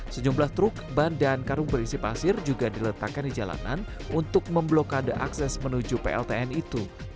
sejumlah truk ban dan karung berisi pasir juga diletakkan di jalanan untuk memblokade akses menuju pltn itu